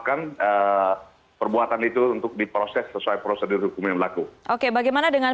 perbuatan itu untuk diproses sesuai prosedur hukum yang berlaku oke bagaimana dengan